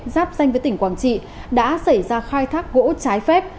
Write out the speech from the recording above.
sáp xanh với tỉnh quảng trị đã xảy ra khai thác gỗ trái phép